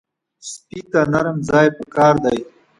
سپي ته نرم ځای پکار دی.